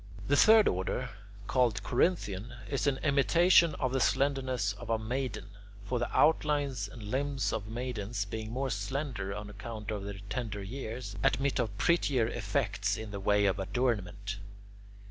The third order, called Corinthian, is an imitation of the slenderness of a maiden; for the outlines and limbs of maidens, being more slender on account of their tender years, admit of prettier effects in the way of adornment.